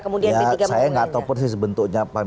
kemudian p tiga memungkinkannya saya gak tahu persis bentuknya